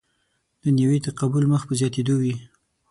دنیوي تقابل مخ په زیاتېدو وي.